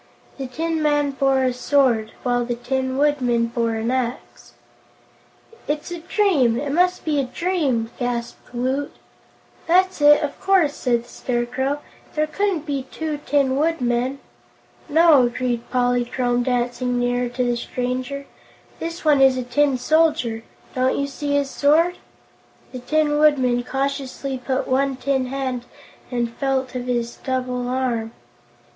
This tin man bore a sword, while the Tin Woodman bore an axe. "It's a dream; it must be a dream!" gasped Woot. "That's it, of course," said the Scarecrow; "there couldn't be two Tin Woodmen." "No," agreed Polychrome, dancing nearer to the stranger, "this one is a Tin Soldier. Don't you see his sword?" The Tin Woodman cautiously put out one tin hand and felt of his double's arm.